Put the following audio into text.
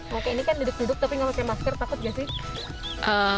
oke ini kan duduk duduk tapi nggak pakai masker takut gak sih